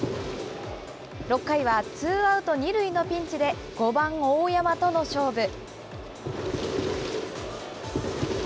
６回はツーアウト２塁のピンチで、５番大山との勝負。